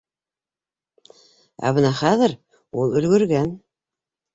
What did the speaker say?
Ә бына хәҙер ул өлгөргән.